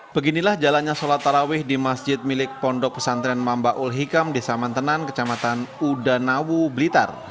beginilah jalannya sholat tarawih di masjid milik pondok pesantren mamba ul hikam di samantenan kecamatan udanawu blitar